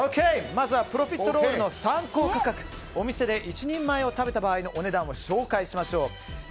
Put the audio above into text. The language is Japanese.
まずはプロフィットロールの参考価格お店で１人前を食べた場合のお値段を紹介しましょう。